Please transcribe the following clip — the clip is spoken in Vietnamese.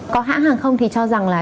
có hãng hàng không thì cho rằng là